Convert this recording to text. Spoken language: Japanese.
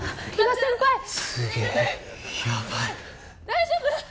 大丈夫！？